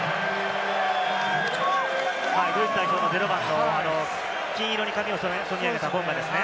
ドイツ代表の０番、金色に髪を染め上げたボンガですね。